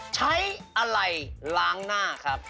ใช้อะไรล้างหน้าครับ